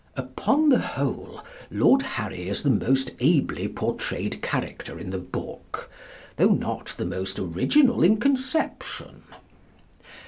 Upon the whole, Lord Harry is the most ably portrayed character in the book, though not the most original in conception.